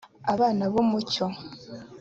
abana b umucyo